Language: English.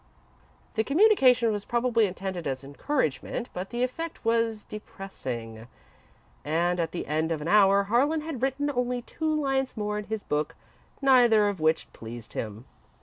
The communication was probably intended as encouragement, but the effect was depressing, and at the end of an hour, Harlan had written only two lines more in his book, neither of which pleased him.